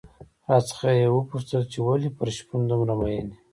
راڅخه یې وپوښتل چې ولې پر شپون دومره مين يې؟